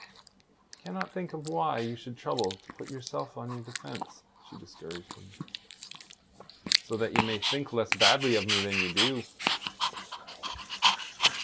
"I cannot think why you should trouble to put yourself on your defence," she discouraged him. "So that ye may think less badly of me than you do."